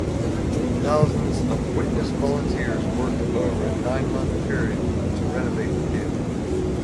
Thousands of Witness volunteers worked over a nine-month period to renovate the theater.